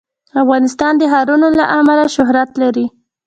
افغانستان د ښارونه له امله شهرت لري.